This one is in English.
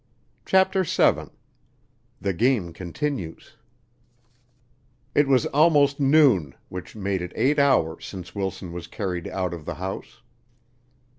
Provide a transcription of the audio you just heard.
CHAPTER VII The Game Continues It was almost noon, which made it eight hours since Wilson was carried out of the house.